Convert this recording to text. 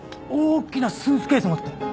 大きなスーツケース持って。